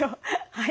はい。